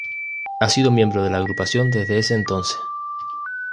Ha sido miembro de la agrupación desde ese entonces.